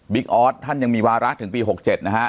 บิ๊กออสท่านยังมีวารักษ์ถึงปี๖๗นะฮะ